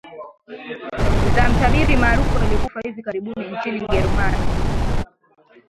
za mtabiri maarufu aliyekufa hivi karibuni nchini gerumani